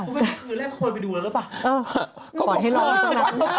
คือแรกคนไปดูแล้วหรือเปล่า